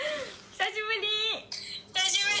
久しぶり。